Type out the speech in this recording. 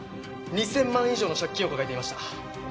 ２，０００万以上の借金を抱えていました。